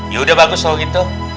ya udah bagus oh gitu